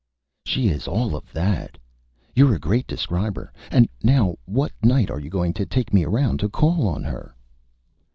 "She is all of that. You're a great Describer. And now what Night are you going to take me around to Call on her?"